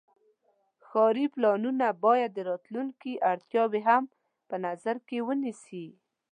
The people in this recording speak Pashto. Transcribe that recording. ښاري پلانونه باید د راتلونکي اړتیاوې هم په نظر کې ونیسي.